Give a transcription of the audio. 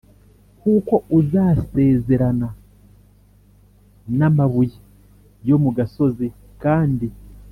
Kuko uzasezerana n’amabuye yo mu gasozi, Kandi